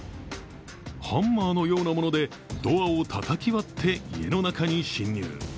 ハンマーのようなものでドアをたたき割って家の中に侵入。